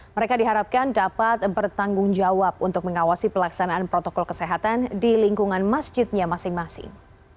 mereka diharapkan dapat bertanggung jawab untuk mengawasi pelaksanaan protokol kesehatan di lingkungan masjidnya masing masing